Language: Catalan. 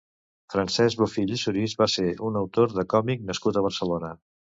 Francesc Bofill i Surís va ser un autor de còmic nascut a Barcelona.